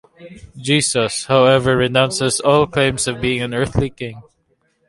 Jesus, however, renounces all claims of being an Earthly king.